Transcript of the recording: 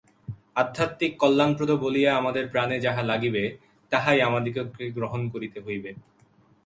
আধ্যাত্মিক কল্যাণপ্রদ বলিয়া আমাদের প্রাণে যাহা লাগিবে, তাহাই আমাদিগকে গ্রহণ করিতে হইবে।